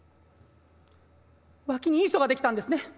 「脇にいい人ができたんですね。